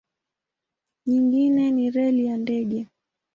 Nyingine ni reli na ndege.